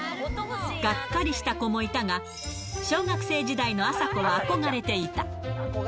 がっかりした子もいたが、小学生時代のあさこは憧れていた。